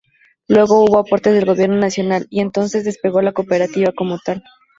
Luego hubo aportes del gobierno nacional y entonces despegó la cooperativa como tal.